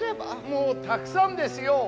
もうたくさんですよ。